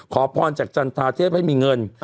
ขอพรจากจันทราเทพให้มีเงิน